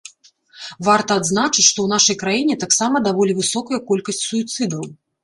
Варта адзначыць, што ў нашай краіне таксама даволі высокая колькасць суіцыдаў.